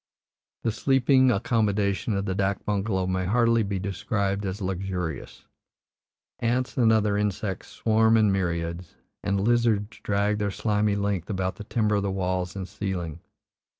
The sleeping accommodation of the dak bungalow may hardly be described as luxurious; ants and other insects swarm in myriads, and lizards drag their slimy length about the timber of the walls and ceiling.